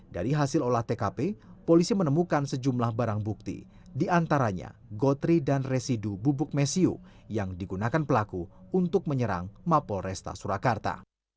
dari hasil olah tkp polisi menemukan sejumlah barang bukti diantaranya gotri dan residu bubuk mesiu yang digunakan pelaku untuk menyerang mapol resta surakarta